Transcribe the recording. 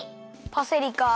パセリか。